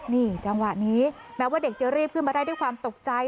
นี่จังหวะนี้แม้ว่าเด็กจะรีบขึ้นมาได้ด้วยความตกใจ